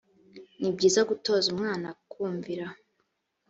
ni byiza gutoza umwana kumvira